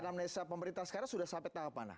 dari anamnesa pemerintah sekarang sudah sampai tahap mana